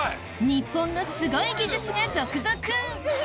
日本のすごい技術が続々！